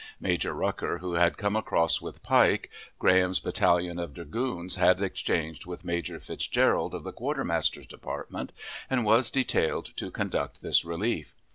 Major Rucker, who had come across with Pike. Graham's Battalion of Dragoons, had exchanged with Major Fitzgerald, of the Quartermaster's Department, and was detailed to conduct this relief.